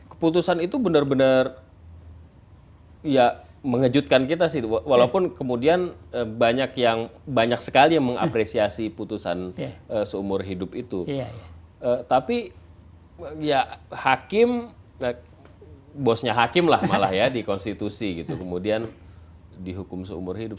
keputusan itu benar benar ya mengejutkan kita sih walaupun kemudian banyak sekali yang mengapresiasi putusan seumur hidup itu tapi ya hakim bosnya hakim lah malah ya di konstitusi gitu kemudian dihukum seumur hidup